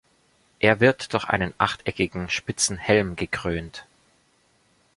Er wird durch einen achteckigen, spitzen Helm gekrönt.